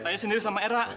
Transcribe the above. saya sendiri sama era